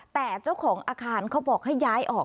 แต่เจ้าของอาคารเขาบอกให้ย้ายออก